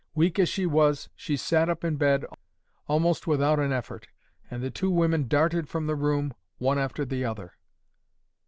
Weak as she was she sat up in bed, almost without an effort, and the two women darted from the room, one after the other.